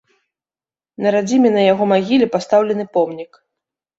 На радзіме на яго магіле пастаўлены помнік.